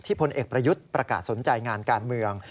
พลเอกประยุทธ์ประกาศสนใจงานการเมือง